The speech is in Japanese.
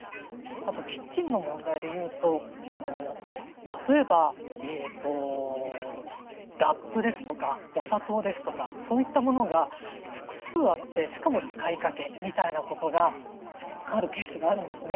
あとキッチンの問題でいうと例えばラップですとかお砂糖ですとかそういったものが複数あってしかも使いかけみたいなことがあるケースがあるんですね。